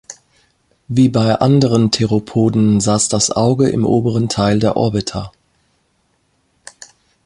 Wie bei anderen Theropoden saß das Auge im oberen Teil der Orbita.